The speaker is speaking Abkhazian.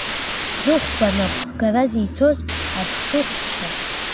Зыхәба напхгара зиҭоз аԥшыхәцәа…